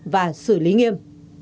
và xử lý nghiêm